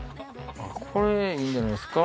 これいいんじゃないっすか？